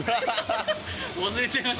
忘れちゃいました。